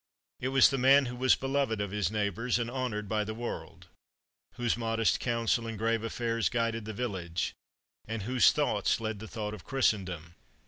It was the man who was beloved of his neighbors and honored by the world, whose modest counsel in grave affairs guided the village, and whose thought led the thought of Christendom.